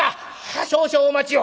あっ少々お待ちを。